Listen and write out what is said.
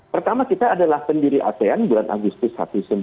pertama kita adalah pendiri asean bulan agustus seribu sembilan ratus enam puluh tujuh